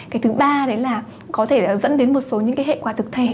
cái thứ ba đấy là có thể dẫn đến một số những cái hệ quả thực thể